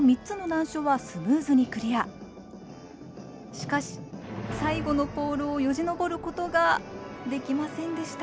しかし最後のポールをよじ登ることができませんでした。